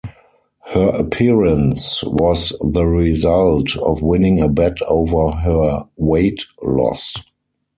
Her appearance was the result of winning a bet over her weight loss.